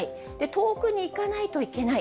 遠くに行かないといけない。